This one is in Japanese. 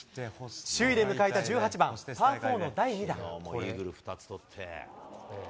首位で迎えた１８番、パー４の第２打。